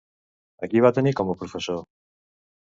A qui va tenir com a professor?